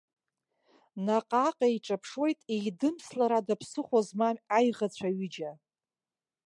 Наҟ-ааҟ еиҿаԥшуеит еидымслар ада ԥсыхәа змам аиӷацәа ҩыџьа.